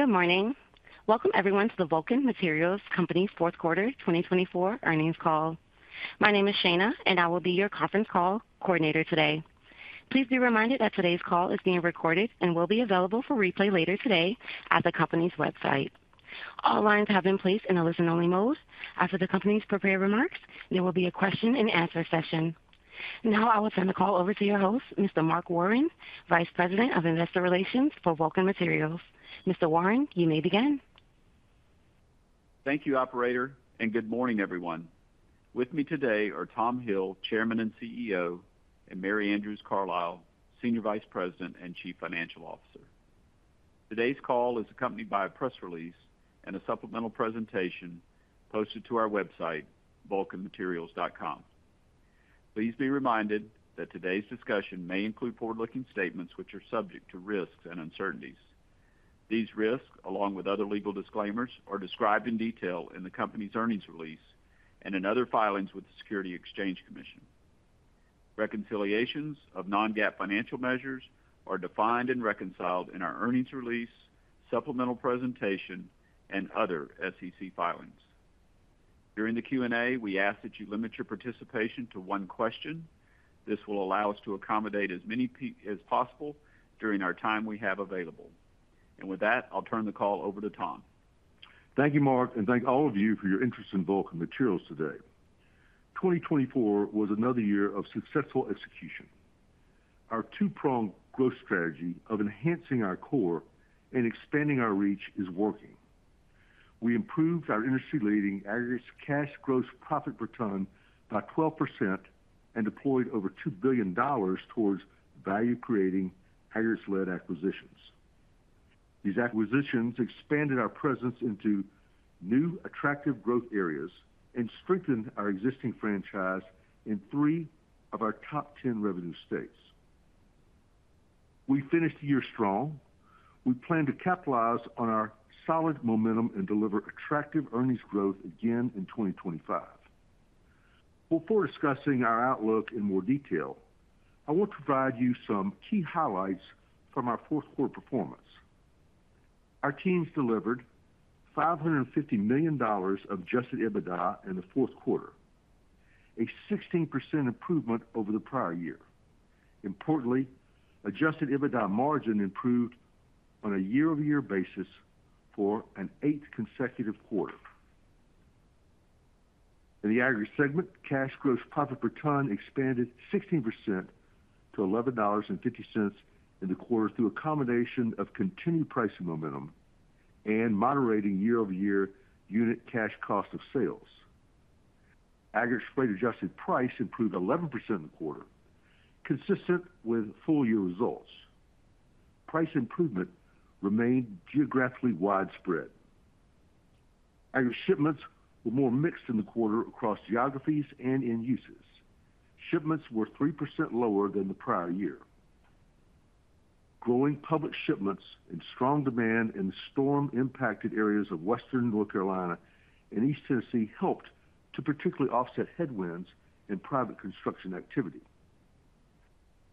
Good morning. Welcome, everyone, to the Vulcan Materials Company's Fourth Quarter 2024 Earnings Call. My name is Shana, and I will be your conference call coordinator today. Please be reminded that today's call is being recorded and will be available for replay later today at the company's website. All lines have been placed in a listen-only mode. After the company's prepared remarks, there will be a question-and-answer session. Now, I will turn the call over to your host, Mr. Mark Warren, Vice President of Investor Relations for Vulcan Materials. Mr. Warren, you may begin. Thank you, Operator, and good morning, everyone. With me today are Tom Hill, Chairman and CEO, and Mary Andrews Carlisle, Senior Vice President and Chief Financial Officer. Today's call is accompanied by a press release and a supplemental presentation posted to our website, vulcanmaterials.com. Please be reminded that today's discussion may include forward-looking statements which are subject to risks and uncertainties. These risks, along with other legal disclaimers, are described in detail in the company's earnings release and in other filings with the Securities and Exchange Commission. Reconciliations of non-GAAP financial measures are defined and reconciled in our earnings release, supplemental presentation, and other SEC filings. During the Q&A, we ask that you limit your participation to one question. This will allow us to accommodate as many as possible during our time we have available. And with that, I'll turn the call over to Tom. Thank you, Mark, and thank all of you for your interest in Vulcan Materials today. 2024 was another year of successful execution. Our two-pronged growth strategy of enhancing our core and expanding our reach is working. We improved our industry-leading aggregates cash gross profit per ton by 12% and deployed over $2 billion towards value-creating aggregates-led acquisitions. These acquisitions expanded our presence into new attractive growth areas and strengthened our existing franchise in three of our top 10 revenue states. We finished the year strong. We plan to capitalize on our solid momentum and deliver attractive earnings growth again in 2025. Before discussing our outlook in more detail, I want to provide you some key highlights from our fourth quarter performance. Our teams delivered $550 million of Adjusted EBITDA in the fourth quarter, a 16% improvement over the prior year. Importantly, Adjusted EBITDA margin improved on a year-over-year basis for an eighth consecutive quarter. In the aggregate segment, cash gross profit per ton expanded 16% to $11.50 in the quarter through a combination of continued pricing momentum and moderating year-over-year unit cash cost of sales. Aggregate freight adjusted price improved 11% in the quarter, consistent with full-year results. Price improvement remained geographically widespread. Aggregate shipments were more mixed in the quarter across geographies and in uses. Shipments were 3% lower than the prior year. Growing public shipments and strong demand in the storm-impacted areas of Western North Carolina and East Tennessee helped to particularly offset headwinds in private construction activity.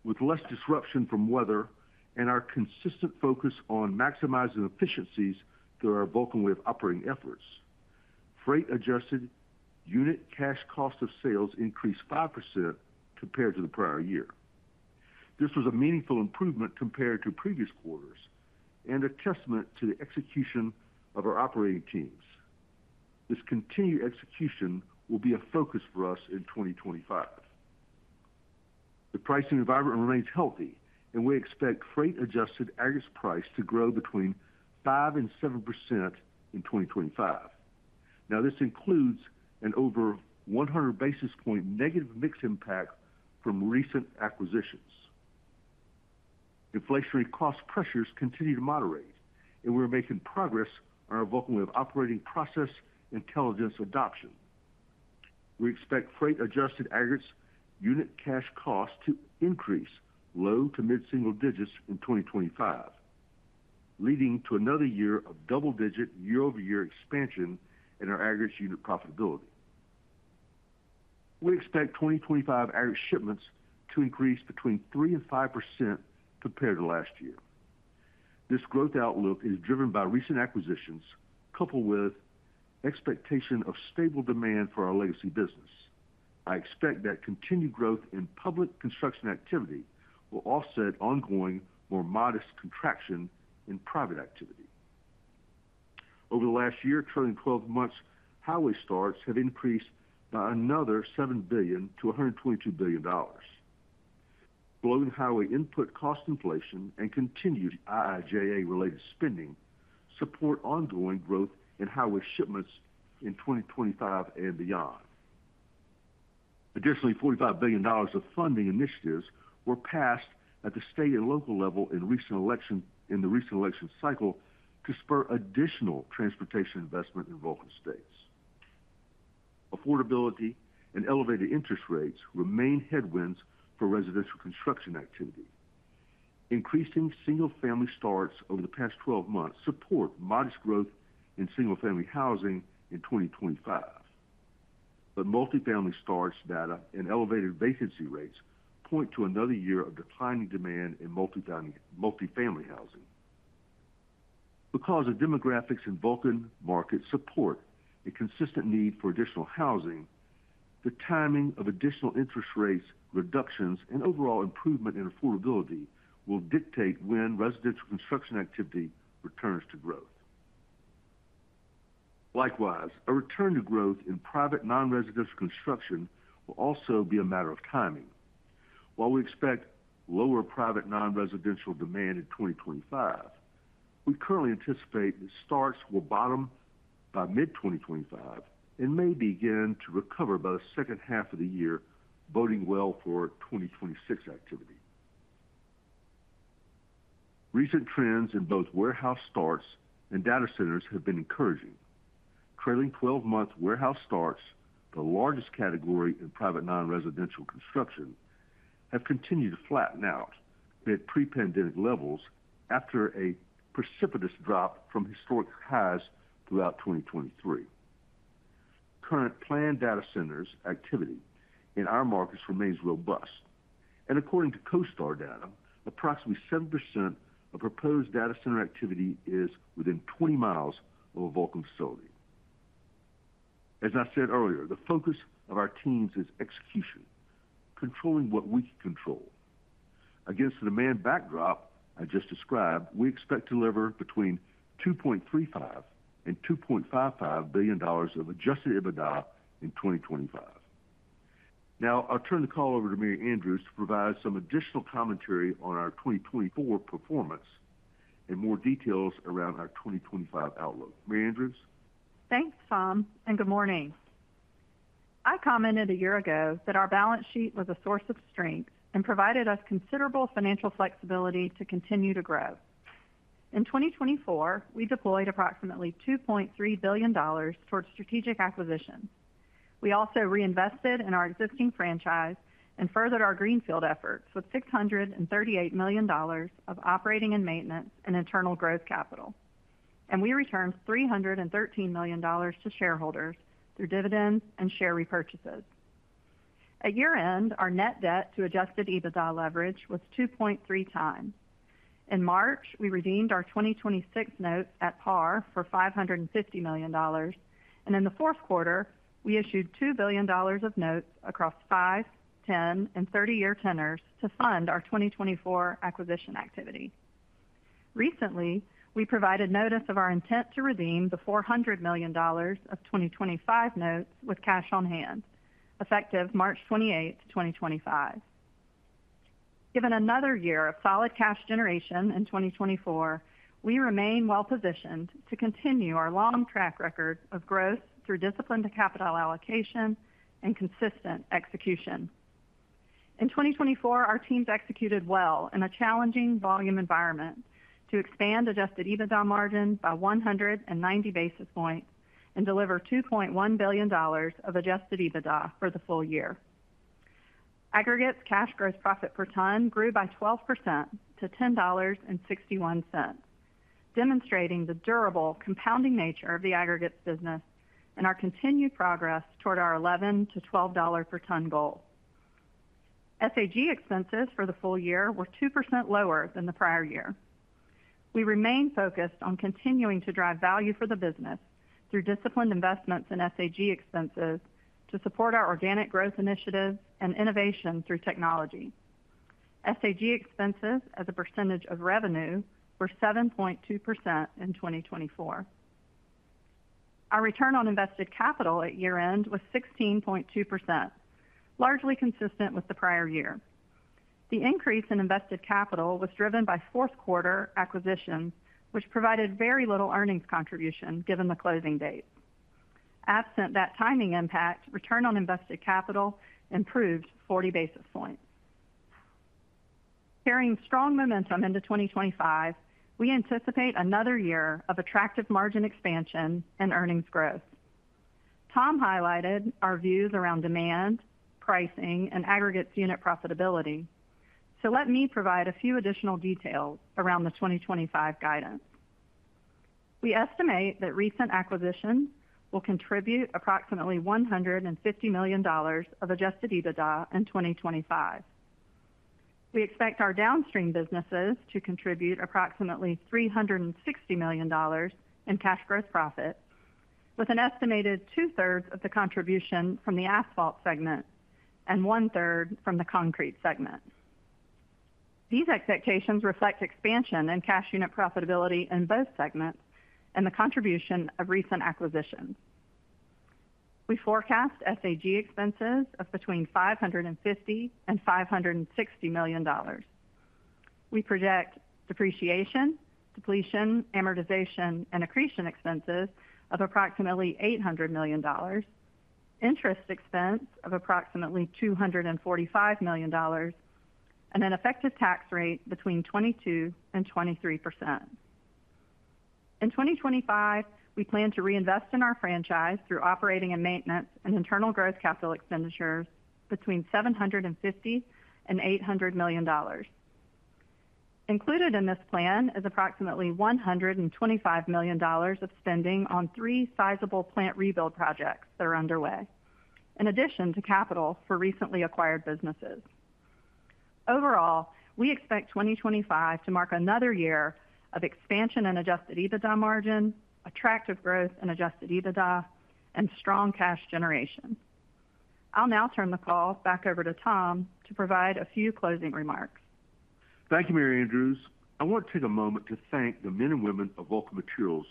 With less disruption from weather and our consistent focus on maximizing efficiencies through our VulcanWave operating efforts, freight adjusted unit cash cost of sales increased 5% compared to the prior year. This was a meaningful improvement compared to previous quarters and a testament to the execution of our operating teams. This continued execution will be a focus for us in 2025. The pricing environment remains healthy, and we expect freight adjusted aggregates price to grow between 5% and 7% in 2025. Now, this includes an over 100 basis point negative mix impact from recent acquisitions. Inflationary cost pressures continue to moderate, and we are making progress on our VulcanWave operating process intelligence adoption. We expect freight adjusted aggregates unit cash cost to increase low to mid-single digits in 2025, leading to another year of double-digit year-over-year expansion in our aggregates unit profitability. We expect 2025 aggregate shipments to increase between 3% and 5% compared to last year. This growth outlook is driven by recent acquisitions coupled with expectation of stable demand for our legacy business.I expect that continued growth in public construction activity will offset ongoing more modest contraction in private activity. Over the last year, trailing 12 months, highway starts have increased by another $7 billion to $122 billion. Slowing highway input cost inflation and continued IIJA-related spending support ongoing growth in highway shipments in 2025 and beyond. Additionally, $45 billion of funding initiatives were passed at the state and local level in the recent election cycle to spur additional transportation investment in Vulcan states. Affordability and elevated interest rates remain headwinds for residential construction activity. Increasing single-family starts over the past 12 months support modest growth in single-family housing in 2025. But multi-family starts data and elevated vacancy rates point to another year of declining demand in multi-family housing. Because of demographics in Vulcan markets support a consistent need for additional housing, the timing of additional interest rate reductions and overall improvement in affordability will dictate when residential construction activity returns to growth. Likewise, a return to growth in private non-residential construction will also be a matter of timing. While we expect lower private non-residential demand in 2025, we currently anticipate the starts will bottom by mid-2025 and may begin to recover by the second half of the year, boding well for 2026 activity. Recent trends in both warehouse starts and data centers have been encouraging. Trailing 12-month warehouse starts, the largest category in private non-residential construction, have continued to flatten out at pre-pandemic levels after a precipitous drop from historic highs throughout 2023. Current planned data centers activity in our markets remains robust. According to CoStar data, approximately 7% of proposed data center activity is within 20 miles of a Vulcan facility. As I said earlier, the focus of our teams is execution, controlling what we can control. Against the demand backdrop I just described, we expect to deliver between $2.35 and $2.55 billion of Adjusted EBITDA in 2025. Now, I'll turn the call over to Mary Andrews to provide some additional commentary on our 2024 performance and more details around our 2025 outlook. Mary Andrews? Thanks, Tom, and good morning. I commented a year ago that our balance sheet was a source of strength and provided us considerable financial flexibility to continue to grow. In 2024, we deployed approximately $2.3 billion towards strategic acquisitions. We also reinvested in our existing franchise and furthered our greenfield efforts with $638 million of operating and maintenance and internal growth capital, and we returned $313 million to shareholders through dividends and share repurchases. At year-end, our net debt to Adjusted EBITDA leverage was 2.3 times. In March, we redeemed our 2026 notes at par for $550 million, and in the fourth quarter, we issued $2 billion of notes across 5, 10, and 30-year tenors to fund our 2024 acquisition activity. Recently, we provided notice of our intent to redeem the $400 million of 2025 notes with cash on hand, effective March 28, 2025. Given another year of solid cash generation in 2024, we remain well-positioned to continue our long track record of growth through disciplined capital allocation and consistent execution. In 2024, our teams executed well in a challenging volume environment to expand Adjusted EBITDA margin by 190 basis points and deliver $2.1 billion of Adjusted EBITDA for the full year. Aggregates cash gross profit per ton grew by 12% to $10.61, demonstrating the durable, compounding nature of the aggregates business and our continued progress toward our $11-$12 per ton goal. SAG expenses for the full year were 2% lower than the prior year. We remain focused on continuing to drive value for the business through disciplined investments in SAG expenses to support our organic growth initiatives and innovation through technology. SAG expenses, as a percentage of revenue, were 7.2% in 2024. Our return on invested capital at year-end was 16.2%, largely consistent with the prior year. The increase in invested capital was driven by fourth-quarter acquisitions, which provided very little earnings contribution given the closing date. Absent that timing impact, return on invested capital improved 40 basis points. Carrying strong momentum into 2025, we anticipate another year of attractive margin expansion and earnings growth. Tom highlighted our views around demand, pricing, and aggregates unit profitability. So let me provide a few additional details around the 2025 guidance. We estimate that recent acquisitions will contribute approximately $150 million of Adjusted EBITDA in 2025. We expect our downstream businesses to contribute approximately $360 million in cash gross profit, with an estimated two-thirds of the contribution from the asphalt segment and one-third from the concrete segment. These expectations reflect expansion in cash unit profitability in both segments and the contribution of recent acquisitions. We forecast SAG expenses of between $550 and $560 million. We project depreciation, depletion, amortization, and accretion expenses of approximately $800 million, interest expense of approximately $245 million, and an effective tax rate between 22% and 23%. In 2025, we plan to reinvest in our franchise through operating and maintenance and internal growth capital expenditures between $750 and $800 million. Included in this plan is approximately $125 million of spending on three sizable plant rebuild projects that are underway, in addition to capital for recently acquired businesses. Overall, we expect 2025 to mark another year of expansion in Adjusted EBITDA margin, attractive growth in Adjusted EBITDA, and strong cash generation. I'll now turn the call back over to Tom to provide a few closing remarks. Thank you, Mary Andrews. I want to take a moment to thank the men and women of Vulcan Materials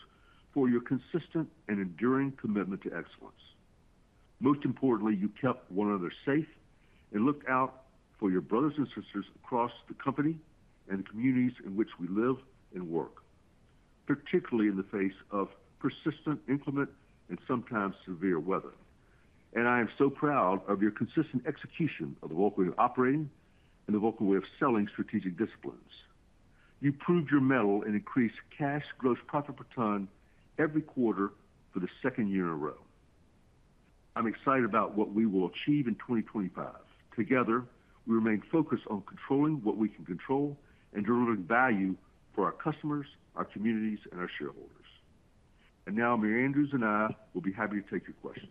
for your consistent and enduring commitment to excellence. Most importantly, you kept one another safe and looked out for your brothers and sisters across the company and the communities in which we live and work, particularly in the face of persistent inclement and sometimes severe weather. And I am so proud of your consistent execution of the Vulcan Way of Operating and the Vulcan Way of Selling strategic disciplines. You proved your mettle and increased cash gross profit per ton every quarter for the second year in a row. I'm excited about what we will achieve in 2025. Together, we remain focused on controlling what we can control and delivering value for our customers, our communities, and our shareholders. Now, Mary Andrews and I will be happy to take your questions.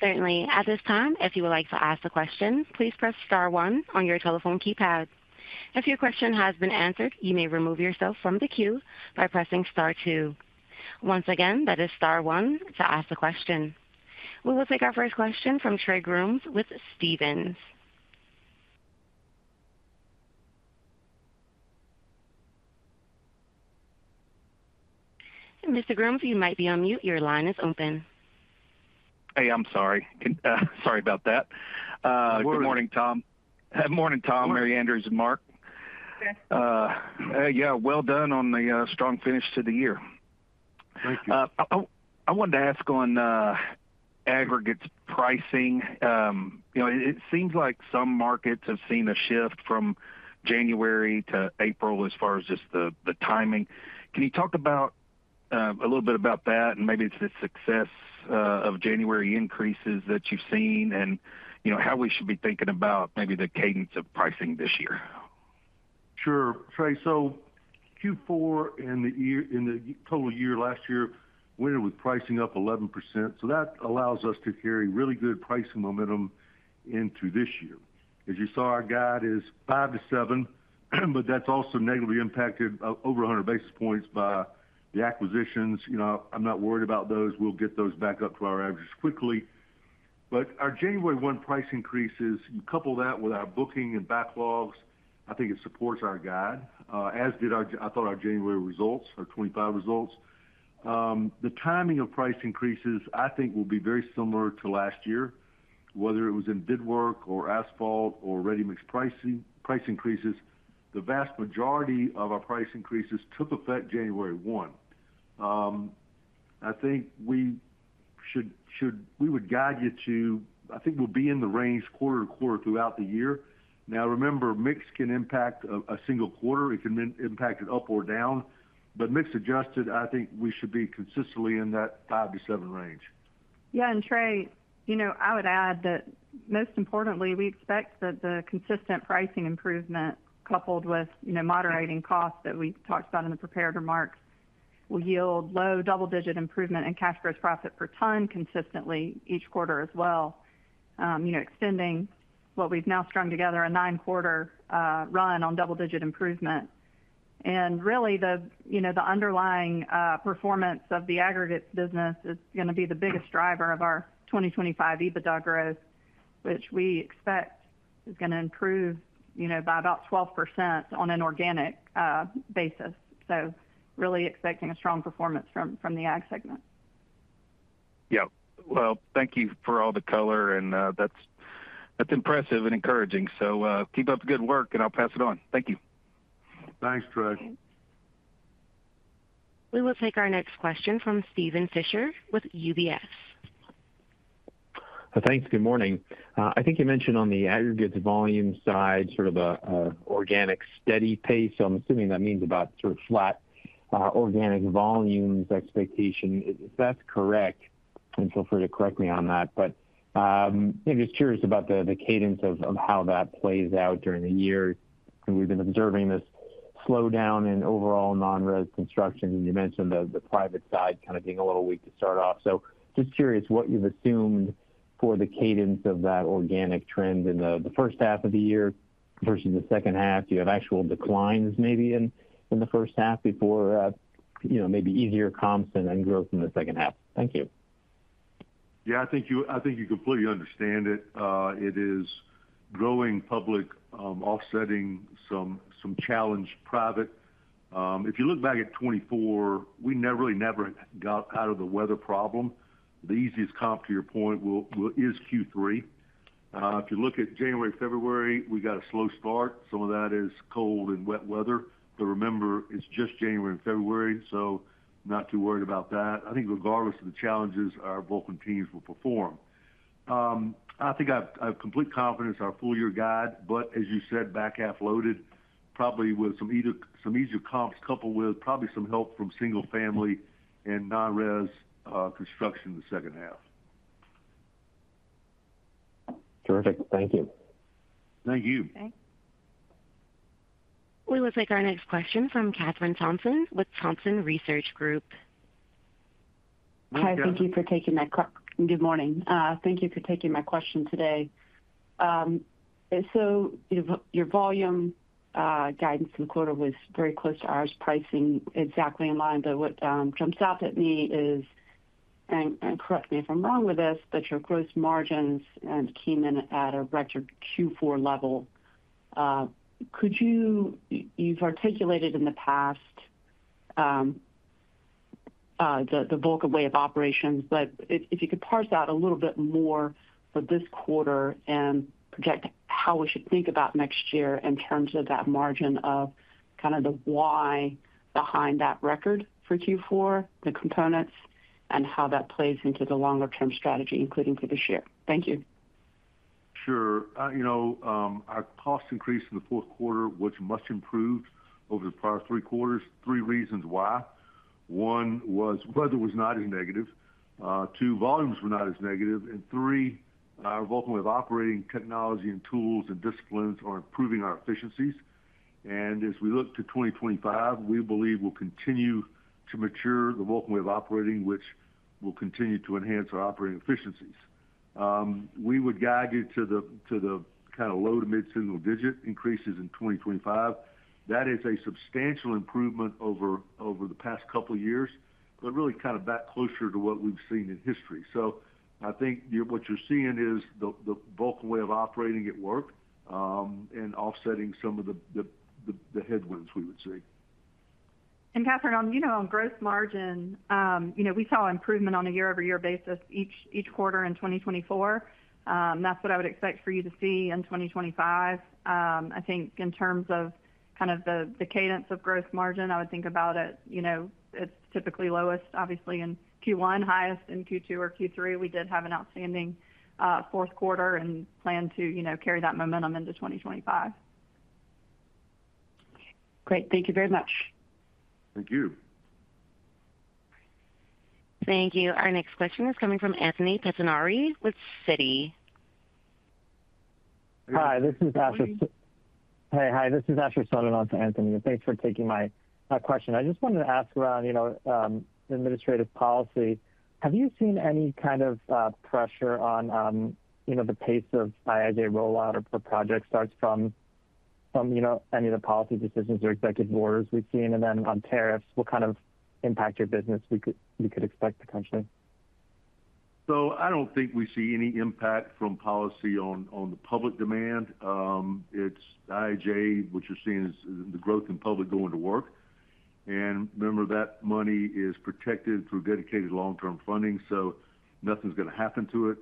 Certainly. At this time, if you would like to ask a question, please press Star 1 on your telephone keypad. If your question has been answered, you may remove yourself from the queue by pressing Star 2. Once again, that is Star 1 to ask the question. We will take our first question from Trey Grooms with Stephens. Mr. Grooms, you might be on mute. Your line is open. Hey, I'm sorry. Sorry about that. Good morning, Tom. Good morning, Tom, Mary Andrews, and Mark.Yeah, well done on the strong finish to the year. Thank you. I wanted to ask on aggregates pricing. It seems like some markets have seen a shift from January to April as far as just the timing. Can you talk a little bit about that and maybe the success of January increases that you've seen and how we should be thinking about maybe the cadence of pricing this year? Sure. Trey, so Q4 in the total year last year went in with pricing up 11%. So that allows us to carry really good pricing momentum into this year. As you saw, our guide is 5%-7%, but that's also negatively impacted over 100 basis points by the acquisitions. I'm not worried about those. We'll get those back up to our averages quickly. But our January 1 price increases, you couple that with our booking and backlogs, I think it supports our guide, as did our—I thought our January results, our 2025 results. The timing of price increases, I think, will be very similar to last year, whether it was in bid work or asphalt or ready-mix price increases. The vast majority of our price increases took effect January 1. I think we would guide you to—I think we'll be in the range quarter to quarter throughout the year. Now, remember, mix can impact a single quarter. It can impact it up or down. But mix adjusted, I think we should be consistently in that 5%-7% range. Yeah. And Trey, I would add that most importantly, we expect that the consistent pricing improvement coupled with moderating costs that we talked about in the prepared remarks will yield low double-digit improvement in cash gross profit per ton consistently each quarter as well, extending what we've now strung together a nine-quarter run on double-digit improvement. And really, the underlying performance of the aggregates business is going to be the biggest driver of our 2025 EBITDA growth, which we expect is going to improve by about 12% on an organic basis. So really expecting a strong performance from the ag segment. Yeah. Well, thank you for all the color, and that's impressive and encouraging. So keep up the good work, and I'll pass it on. Thank you. Thanks, Trey. We will take our next question from Steven Fisher with UBS. Thanks. Good morning. I think you mentioned on the aggregates volume side, sort of an organic steady pace. So I'm assuming that means about sort of flat organic volumes expectation. If that's correct, then feel free to correct me on that. But just curious about the cadence of how that plays out during the year. We've been observing this slowdown in overall non-res construction, and you mentioned the private side kind of being a little weak to start off. So just curious what you've assumed for the cadence of that organic trend in the first half of the year versus the second half. Do you have actual declines maybe in the first half before maybe easier comps and growth in the second half? Thank you. Yeah, I think you completely understand it. It is growing public, offsetting some challenged private. If you look back at 2024, we really never got out of the weather problem. The easiest comp, to your point, is Q3. If you look at January and February, we got a slow start. Some of that is cold and wet weather, but remember, it's just January and February, so not too worried about that. I think regardless of the challenges, our Vulcan teams will perform. I think I have complete confidence in our full-year guide, but as you said, back half loaded, probably with some easier comps coupled with probably some help from single-family and non-res construction in the second half. Terrific. Thank you. Thank you. Okay. We will take our next question from Kathryn Thompson with Thompson Research Group. Hi. Thank you for taking that - good morning. Thank you for taking my question today. So your volume guidance in the quarter was very close to ours. Pricing exactly in line. But what jumps out at me is - and correct me if I'm wrong with this - but your gross margins came in at a record Q4 level. You've articulated in the past the Vulcan Way of Operating, but if you could parse out a little bit more for this quarter and project how we should think about next year in terms of that margin of kind of the why behind that record for Q4, the components, and how that plays into the longer-term strategy, including for this year. Thank you. Sure. Our cost increase in the fourth quarter, which much improved over the prior three quarters. Three reasons why. One was weather was not as negative. Two, volumes were not as negative. And three, our Vulcan way of operating technology and tools and disciplines are improving our efficiencies. And as we look to 2025, we believe we'll continue to mature the Vulcan way of operating, which will continue to enhance our operating efficiencies. We would guide you to the kind of low to mid-single-digit increases in 2025. That is a substantial improvement over the past couple of years, but really kind of back closer to what we've seen in history. I think what you're seeing is the Vulcan way of operating at work and offsetting some of the headwinds we would see. Kathryn, on gross margin, we saw improvement on a year-over-year basis each quarter in 2024. That's what I would expect for you to see in 2025. I think in terms of kind of the cadence of gross margin, I would think about it as typically lowest, obviously, in Q1, highest in Q2 or Q3. We did have an outstanding fourth quarter and plan to carry that momentum into 2025. Great. Thank you very much. Thank you. Thank you. Our next question is coming from Anthony Pettinari with Citi. Hi. This is Asher - hey, hi. This is Asher Sullivan with Anthony. Thanks for taking my question. I just wanted to ask around administrative policy. Have you seen any kind of pressure on the pace of IIJ rollout or per project starts from any of the policy decisions or executive orders we've seen? And then on tariffs, what kind of impact your business we could expect potentially? So I don't think we see any impact from policy on the public demand. It's IIJA, what you're seeing is the growth in public going to work. And remember, that money is protected through dedicated long-term funding, so nothing's going to happen to it.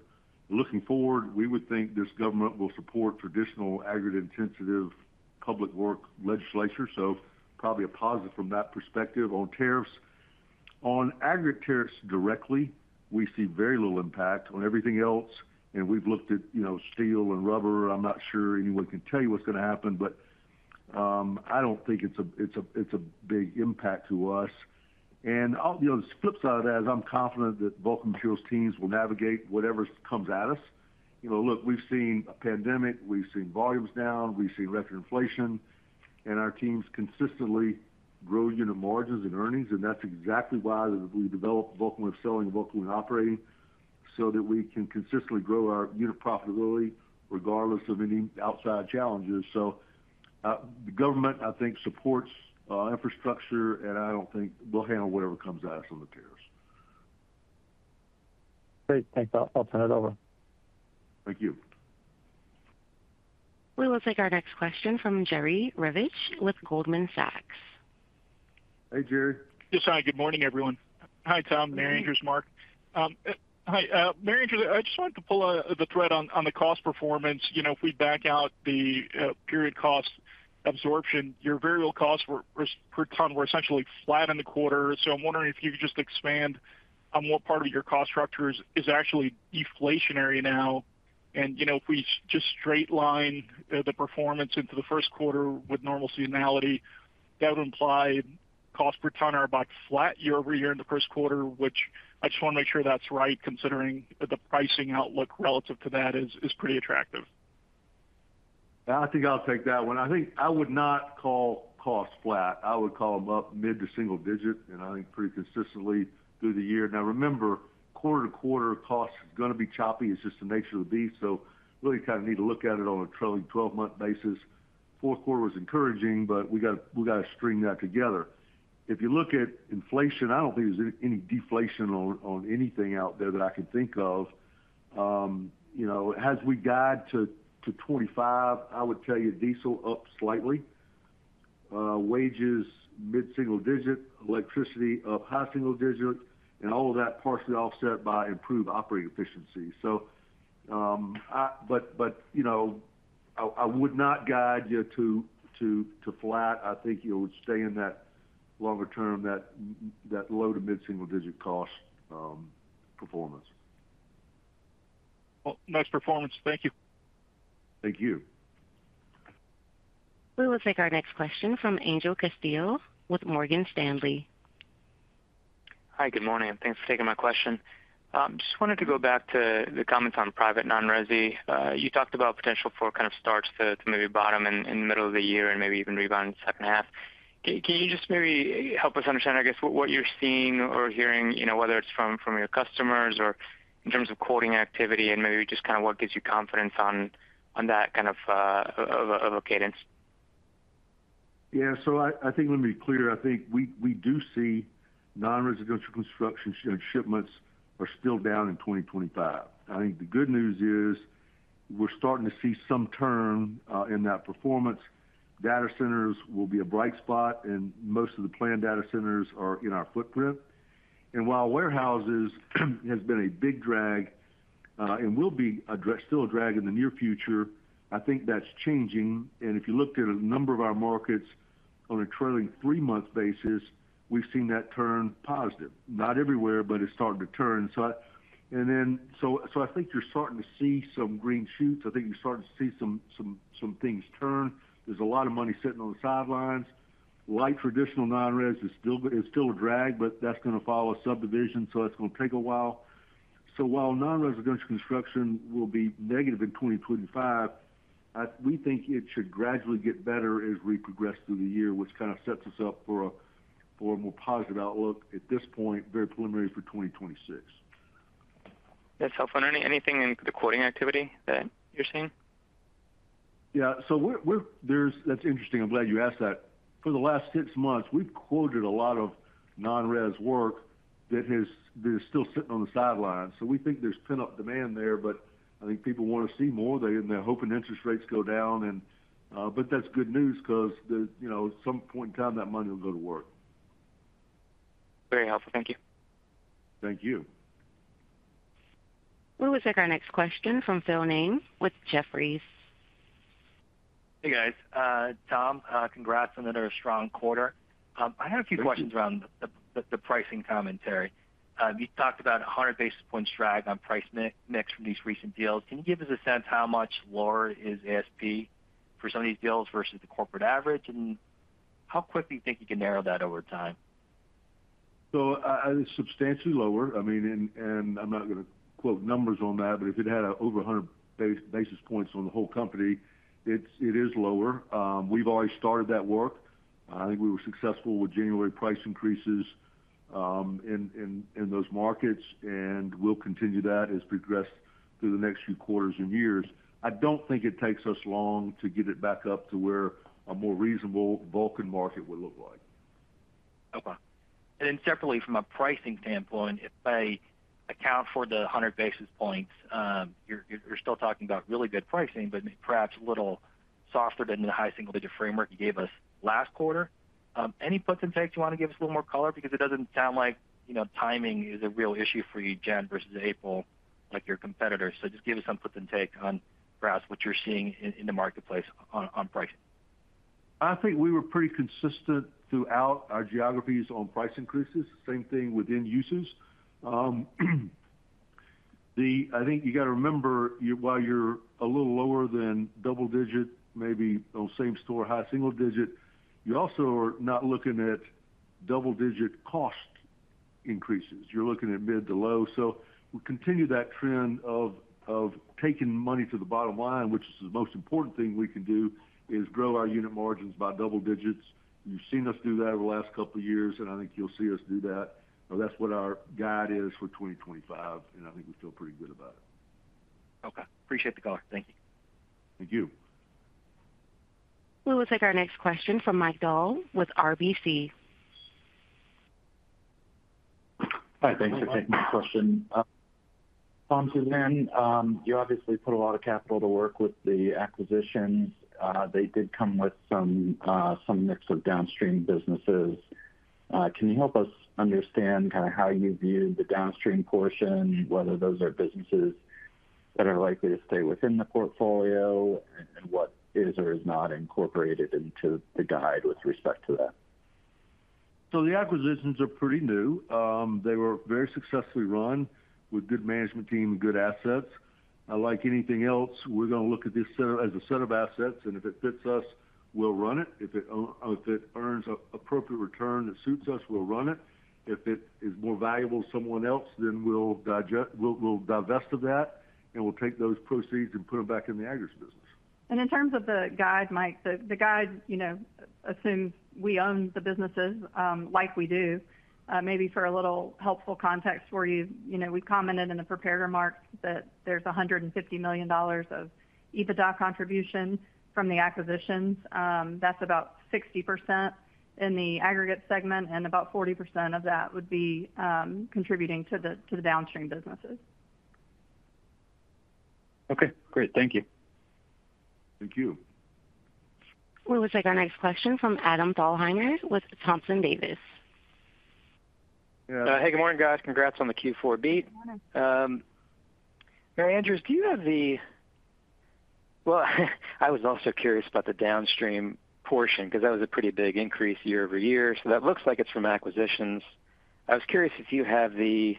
Looking forward, we would think this government will support traditional aggregate-intensive public works legislation. So probably a positive from that perspective on tariffs. On aggregate tariffs directly, we see very little impact on everything else. And we've looked at steel and rubber. I'm not sure anyone can tell you what's going to happen, but I don't think it's a big impact to us. And the flip side of that is I'm confident that Vulcan Materials teams will navigate whatever comes at us. Look, we've seen a pandemic. We've seen volumes down. We've seen record inflation. And our teams consistently grow unit margins and earnings. And that's exactly why we developed Vulcan Way of Selling and Vulcan Way of Operating, so that we can consistently grow our unit profitability regardless of any outside challenges. So the government, I think, supports infrastructure, and I don't think we'll handle whatever comes at us on the tariffs. Great. Thanks. I'll turn it over. Thank you. We will take our next question from Jerry Revich with Goldman Sachs. Hey, Jerry. Yes, hi. Good morning, everyone. Hi, Tom, Mary Andrews, Mark. Hi, Mary Andrews. I just wanted to pull the thread on the cost performance. If we back out the period cost absorption, your variable cost per ton were essentially flat in the quarter. So I'm wondering if you could just expand on what part of your cost structure is actually deflationary now, and if we just straight line the performance into the first quarter with normal seasonality, that would imply cost per ton are about flat year over year in the first quarter, which I just want to make sure that's right, considering the pricing outlook relative to that is pretty attractive. I think I'll take that one. I think I would not call cost flat. I would call them up mid- to single-digit, and I think pretty consistently through the year. Now, remember, quarter to quarter cost is going to be choppy. It's just the nature of the beast. So really kind of need to look at it on a truly 12-month basis. Fourth quarter was encouraging, but we got to string that together. If you look at inflation, I don't think there's any deflation on anything out there that I can think of. As we guide to 2025, I would tell you diesel up slightly, wages mid-single-digit, electricity up high single-digit, and all of that partially offset by improved operating efficiency. But I would not guide you to flat. I think you would stay in that longer term, that low- to mid-single-digit cost performance. Nice performance. Thank you. Thank you. We will take our next question from Angel Castillo with Morgan Stanley. Hi. Good morning. Thanks for taking my question. Just wanted to go back to the comments on private non-resi. You talked about potential for kind of starts to maybe bottom in the middle of the year and maybe even rebound in the second half. Can you just maybe help us understand, I guess, what you're seeing or hearing, whether it's from your customers or in terms of quoting activity and maybe just kind of what gives you confidence on that kind of a cadence? Yeah. So, I think, let me be clear. I think we do see non-residential construction shipments are still down in 2025. I think the good news is we're starting to see some turn in that performance. Data centers will be a bright spot, and most of the planned data centers are in our footprint. And while warehouses has been a big drag and will be still a drag in the near future, I think that's changing. And if you looked at a number of our markets on a truly three-month basis, we've seen that turn positive. Not everywhere, but it's starting to turn. And then so I think you're starting to see some green shoots. I think you're starting to see some things turn. There's a lot of money sitting on the sidelines. Light traditional non-res is still a drag, but that's going to follow a subdivision, so it's going to take a while. So while non-residential construction will be negative in 2025, we think it should gradually get better as we progress through the year, which kind of sets us up for a more positive outlook at this point, very preliminary for 2026. That's helpful. Anything in the quoting activity that you're seeing? Yeah. So that's interesting. I'm glad you asked that. For the last 6 months, we've quoted a lot of non-res work that is still sitting on the sidelines. So we think there's pent-up demand there, but I think people want to see more. They're hoping interest rates go down. But that's good news because at some point in time, that money will go to work. Very helpful. Thank you. Thank you. We will take our next question from Phil Ng with Jefferies. Hey, guys. Tom, congrats on another strong quarter. I have a few questions around the pricing commentary. You talked about 100 basis points drag on price mix from these recent deals. Can you give us a sense how much lower is ASP for some of these deals versus the corporate average? And how quick do you think you can narrow that over time? So it's substantially lower. I mean, and I'm not going to quote numbers on that, but if it had over 100 basis points on the whole company, it is lower. We've always started that work. I think we were successful with January price increases in those markets, and we'll continue that as we progress through the next few quarters and years. I don't think it takes us long to get it back up to where a more reasonable Vulcan market would look like. Okay. And then separately from a pricing standpoint, if I account for the 100 basis points, you're still talking about really good pricing, but perhaps a little softer than the high single-digit framework you gave us last quarter. Any puts and takes? You want to give us a little more color because it doesn't sound like timing is a real issue for you, Jen, versus April, like your competitors? So just give us some puts and takes on perhaps what you're seeing in the marketplace on pricing. I think we were pretty consistent throughout our geographies on price increases. Same thing within uses. I think you got to remember, while you're a little lower than double-digit, maybe same store, high single digit, you also are not looking at double-digit cost increases. You're looking at mid to low. So we continue that trend of taking money to the bottom line, which is the most important thing we can do, is grow our unit margins by double digits. You've seen us do that over the last couple of years, and I think you'll see us do that. That's what our guide is for 2025, and I think we feel pretty good about it. Okay. Appreciate the call. Thank you. Thank you. We will take our next question from Mike Dahl with RBC. Hi. Thanks for taking my question. Tom, so then you obviously put a lot of capital to work with the acquisitions. They did come with some mix of downstream businesses. Can you help us understand kind of how you view the downstream portion, whether those are businesses that are likely to stay within the portfolio, and what is or is not incorporated into the guide with respect to that? So the acquisitions are pretty new. They were very successfully run with good management team and good assets. Like anything else, we're going to look at this as a set of assets. And if it fits us, we'll run it. If it earns an appropriate return that suits us, we'll run it. If it is more valuable to someone else, then we'll divest of that, and we'll take those proceeds and put them back in the aggregate business. And in terms of the guide, Mike, the guide assumes we own the businesses like we do. Maybe for a little helpful context for you, we commented in the prepared remarks that there's $150 million of EBITDA contribution from the acquisitions. That's about 60% in the aggregate segment, and about 40% of that would be contributing to the downstream businesses. Okay. Great. Thank you. Thank you. We will take our next question from Adam Thalhimer with Thompson Davis. Hey, good morning, guys. Congrats on the Q4 beat. Mary Andrews, do you have the, well, I was also curious about the downstream portion because that was a pretty big increase year over year. So that looks like it's from acquisitions. I was curious if you have the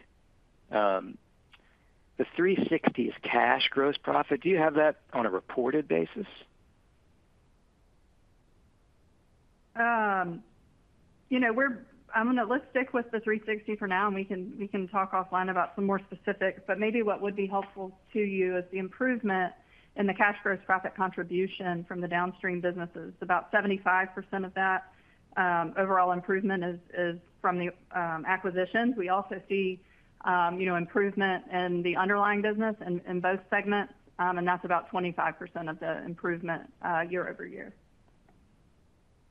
$3.60s cash gross profit. Do you have that on a reported basis? I'm going to, let's stick with the $3.60 for now, and we can talk offline about some more specifics. But maybe what would be helpful to you is the improvement in the cash gross profit contribution from the downstream businesses. About 75% of that overall improvement is from the acquisitions. We also see improvement in the underlying business in both segments, and that's about 25% of the improvement year over year.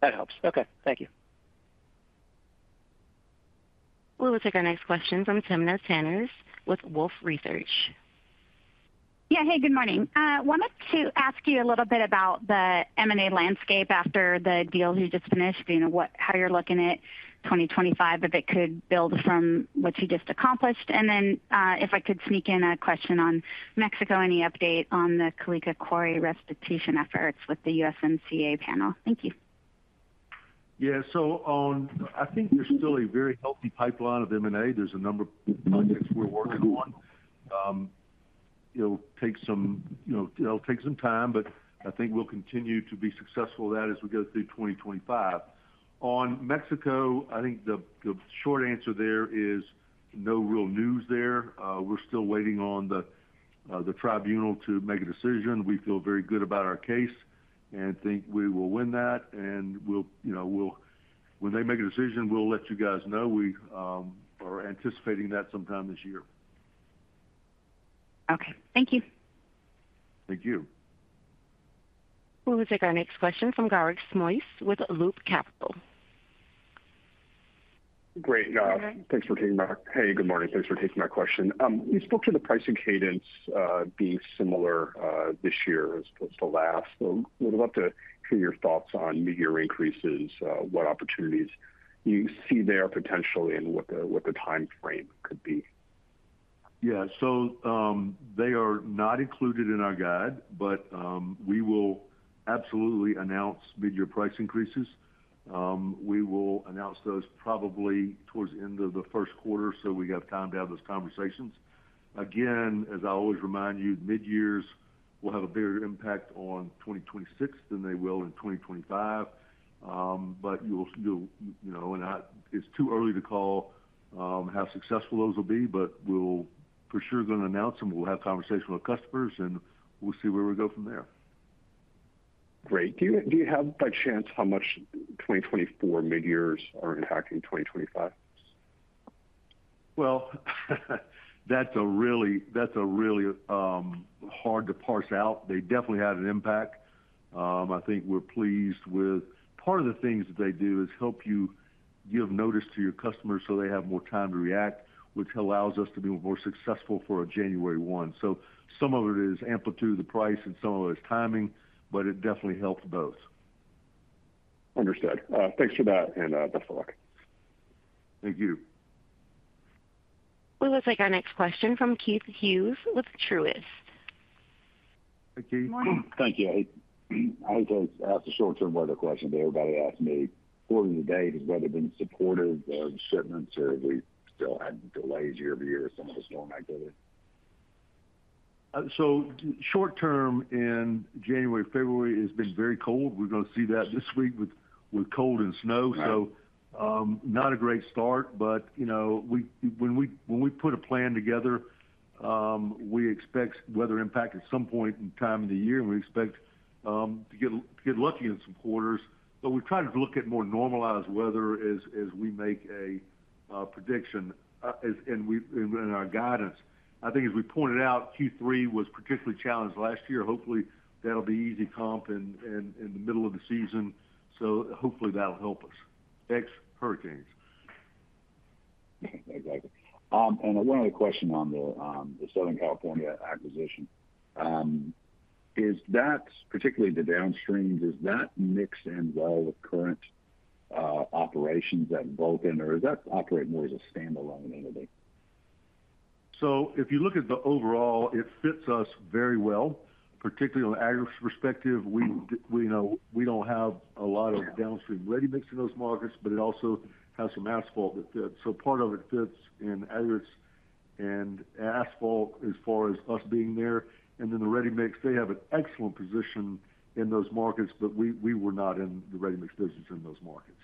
That helps. Okay. Thank you. We will take our next question from Timna Tanners with Wolfe Research. Yeah. Hey, good morning. I wanted to ask you a little bit about the M&A landscape after the deal you just finished, how you're looking at 2025, if it could build from what you just accomplished. And then if I could sneak in a question on Mexico, any update on the Calica Quarry restitution efforts with the USMCA panel? Thank you. Yeah. So I think there's still a very healthy pipeline of M&A. There's a number of projects we're working on. It'll take some time, but I think we'll continue to be successful with that as we go through 2025. On Mexico, I think the short answer there is no real news there. We're still waiting on the tribunal to make a decision. We feel very good about our case and think we will win that, and when they make a decision, we'll let you guys know. We are anticipating that sometime this year. Okay. Thank you. Thank you. We will take our next question from Garik Shmois with Loop Capital. Great. Thanks for taking my question. Good morning. We spoke to the pricing cadence being similar this year as opposed to last. We'd love to hear your thoughts on mid-year increases, what opportunities you see there potentially, and what the time frame could be. Yeah. So they are not included in our guide, but we will absolutely announce mid-year price increases. We will announce those probably towards the end of the first quarter so we have time to have those conversations. Again, as I always remind you, mid-years will have a bigger impact on 2026 than they will in 2025. But it's too early to call how successful those will be, but we'll for sure going to announce them. We'll have conversations with customers, and we'll see where we go from there. Great. Do you have by chance how much 2024 mid-years are impacting 2025? That's a really hard to parse out. They definitely had an impact. I think we're pleased with part of the things that they do is help you give notice to your customers so they have more time to react, which allows us to be more successful for a January 1. So some of it is amplitude of the price, and some of it is timing, but it definitely helped both. Understood. Thanks for that, and best of luck. Thank you. We will take our next question from Keith Hughes with Truist. Hey, Keith. Morning. Thank you. I hate to ask a short-term weather question, but everybody asks me. Reporting today, has weather been supportive of shipments or have we still had delays year over year with some of the storm activity? So short-term in January, February has been very cold. We're going to see that this week with cold and snow. So not a great start, but when we put a plan together, we expect weather impact at some point in time of the year, and we expect to get lucky in some quarters. But we've tried to look at more normalized weather as we make a prediction in our guidance. I think as we pointed out, Q3 was particularly challenged last year. Hopefully, that'll be easy comp in the middle of the season. So hopefully, that'll help us. Ex hurricanes. Exactly, and one other question on the Southern California acquisition. Is that particularly the downstreams, is that mixed in well with current operations at Vulcan, or is that operating more as a standalone entity? So if you look at the overall, it fits us very well, particularly on aggregate perspective. We don't have a lot of downstream ready mix in those markets, but it also has some asphalt that fits. So part of it fits in aggregates and asphalt as far as us being there. And then the ready mix, they have an excellent position in those markets, but we were not in the ready mix business in those markets.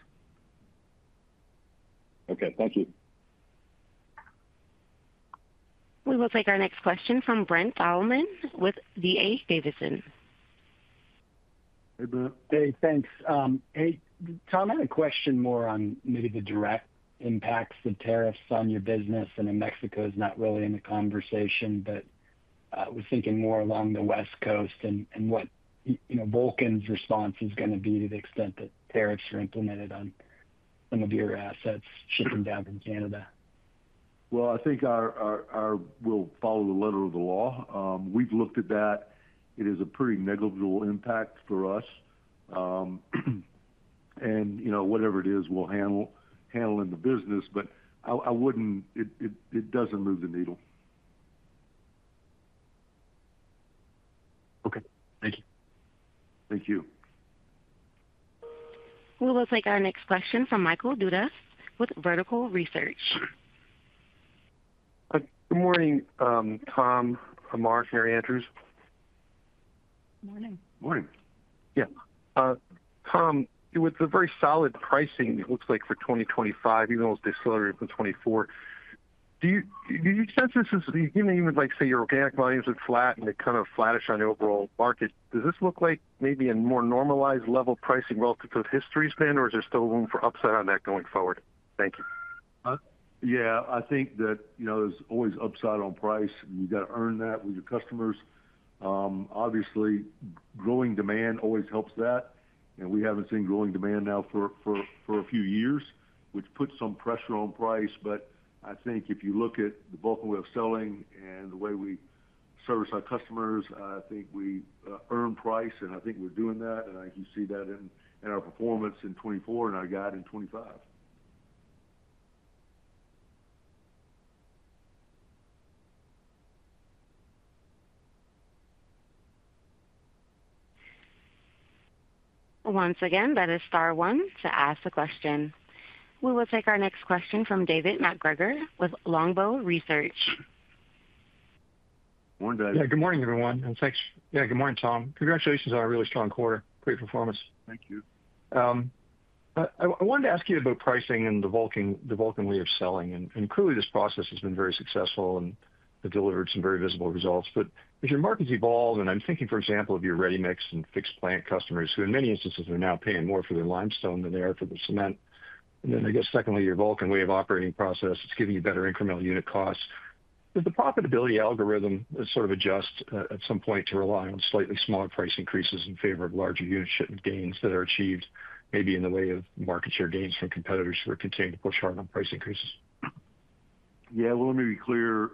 Okay. Thank you. We will take our next question from Brent Thielman with D.A. Davidson. Hey, Brent. Hey, thanks. Hey, Tom, I had a question more on maybe the direct impacts of tariffs on your business. I know Mexico is not really in the conversation, but I was thinking more along the West Coast and what Vulcan's response is going to be to the extent that tariffs are implemented on some of your assets shipping down from Canada. I think we'll follow the letter of the law. We've looked at that. It is a pretty negligible impact for us. Whatever it is, we'll handle in the business, but it doesn't move the needle. Okay. Thank you. Thank you. We will take our next question from Michael Dudas with Vertical Research. Good morning, Tom, Mark, Mary Andrews. Good morning. Morning. Yeah. Tom, with the very solid pricing, it looks like for 2025, even though it's decelerating from 2024, do you sense this is, you can even say your organic volumes are flat and they're kind of flattish on the overall market. Does this look like maybe a more normalized level of pricing relative to the history span, or is there still room for upside on that going forward? Thank you. Yeah. I think that there's always upside on price. You got to earn that with your customers. Obviously, growing demand always helps that, and we haven't seen growing demand now for a few years, which puts some pressure on price, but I think if you look at the bulk of our selling and the way we service our customers, I think we earn price, and I think we're doing that.I think you see that in our performance in 2024 and our guide in 2025. Once again, that is Star 1 to ask the question. We will take our next question from David MacGregor with Longbow Research. Morning, David. Yeah. Good morning, everyone. Yeah. Good morning, Tom. Congratulations on a really strong quarter. Great performance. Thank you. I wanted to ask you about pricing and the Vulcan way of selling. And clearly, this process has been very successful and delivered some very visible results. But as your markets evolve, and I'm thinking, for example, of your ready mix and fixed plant customers who, in many instances, are now paying more for their limestone than they are for their cement. And then I guess, secondly, your Vulcan way of operating process, it's giving you better incremental unit costs. Does the profitability algorithm sort of adjust at some point to rely on slightly smaller price increases in favor of larger unit shipment gains that are achieved maybe in the way of market share gains from competitors who are continuing to push hard on price increases? Yeah. Well, let me be clear.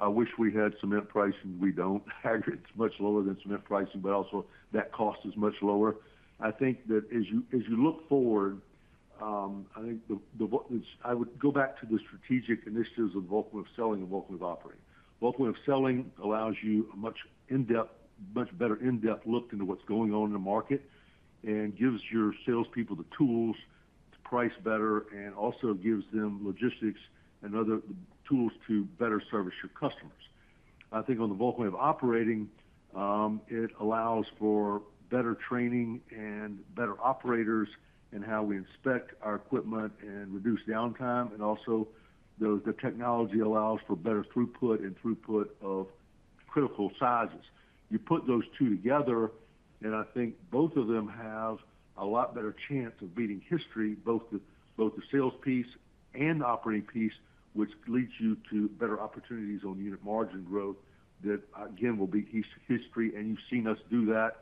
I wish we had cement pricing. We don't. Aggregates are much lower than cement pricing, but also that cost is much lower. I think that as you look forward, I think I would go back to the strategic initiatives of Vulcan Way of Selling and Vulcan Way of Operating. Vulcan Way of Selling allows you a much better in-depth look into what's going on in the market and gives your salespeople the tools to price better and also gives them logistics and other tools to better service your customers. I think on the Vulcan Way of Operating, it allows for better training and better operators in how we inspect our equipment and reduce downtime. And also, the technology allows for better throughput and throughput of critical sizes. You put those two together, and I think both of them have a lot better chance of beating history, both the sales piece and the operating piece, which leads you to better opportunities on unit margin growth that, again, will beat history. And you've seen us do that.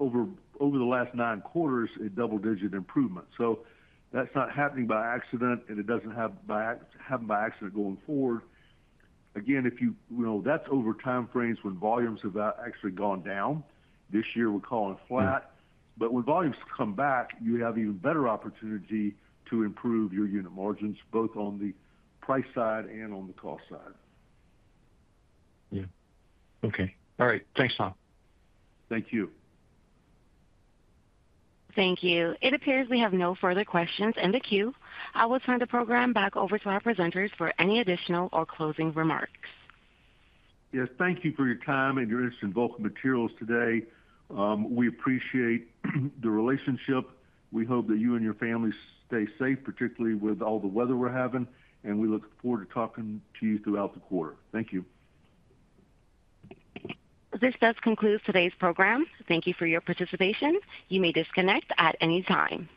Over the last nine quarters, a double-digit improvement. So that's not happening by accident, and it doesn't happen by accident going forward. Again, that's over time frames when volumes have actually gone down. This year, we're calling it flat. But when volumes come back, you have even better opportunity to improve your unit margins, both on the price side and on the cost side. Yeah. Okay. All right. Thanks, Tom. Thank you. Thank you. It appears we have no further questions in the queue. I will turn the program back over to our presenters for any additional or closing remarks. Yes. Thank you for your time and your interest in Vulcan Materials today. We appreciate the relationship. We hope that you and your families stay safe, particularly with all the weather we're having, and we look forward to talking to you throughout the quarter. Thank you. This does conclude today's program. Thank you for your participation. You may disconnect at any time.